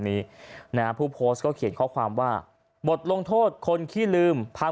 นี้นะฮะผู้โพสต์ก็เขียนข้อความว่าบทลงโทษคนขี้ลืมพัน